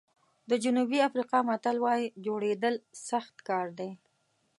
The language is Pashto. د جنوبي افریقا متل وایي جوړېدل سخت کار دی.